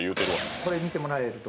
これ見てもらえると。